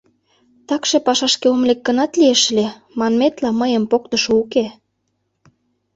Такше, пашашке ом лек гынат, лиеш ыле, манметла, мыйым поктышо уке.